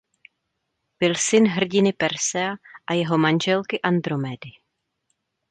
Byl syn hrdiny Persea a jeho manželky Andromedy.